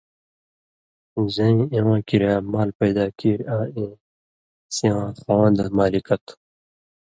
زَیں اِواں کریا مال پیدا کیریۡ آں اېں سِواں خوَندہۡ (مالِکہ) تھہ۔